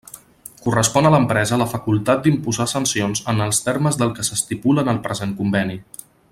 Correspon a l'empresa la facultat d'imposar sancions en els termes del que s'estipula en el present conveni.